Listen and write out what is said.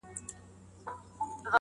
د دوی لنډغرو تر منځ